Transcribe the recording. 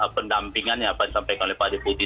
pendampingannya apa yang disampaikan oleh pak deputi